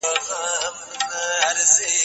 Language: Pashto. سپین سرې له خپل جېبه یوه خوږه شیرني راوویسته.